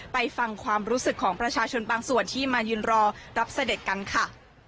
ไปฟังความรู้สึกของประชาชนบางส่วนที่มายืนรอรับเสด็จกันค่ะ